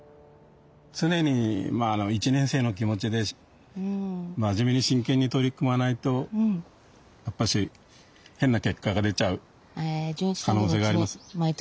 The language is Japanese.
常に１年生の気持ちで真面目に真剣に取り組まないとやっぱし変な結果が出ちゃう可能性があります。